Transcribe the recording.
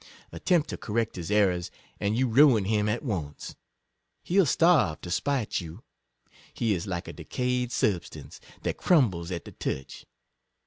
Attempt to correct his errors, and you ruin him at once — hell starve to spite you ; he is like a decay ed substance, that crumbles at the touch.